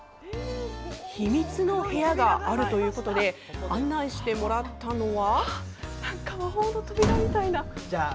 秘密の部屋があるということで案内してもらったのは。